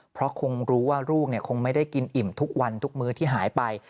เพราะคงรู้ว่าลูกคงไม่ได้กินอิ่มทุกวันทุกมื้อที่หายไป